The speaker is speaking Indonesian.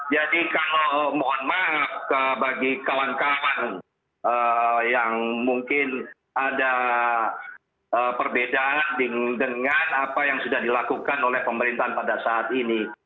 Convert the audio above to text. jadi kalau mohon maaf bagi kawan kawan yang mungkin ada perbedaan dengan apa yang sudah dilakukan oleh pemerintahan pada saat ini